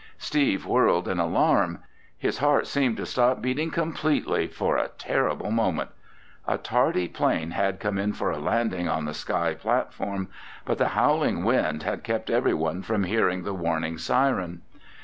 Steve whirled in alarm. His heart seemed to stop beating completely for a terrible moment. A tardy plane had come in for a landing on the sky platform. But the howling wind had kept everyone from hearing the warning siren.